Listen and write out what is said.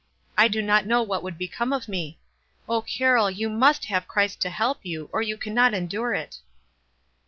I do not know what would become of me. O Carroll, you must have Christ to help you, or you can not endure it."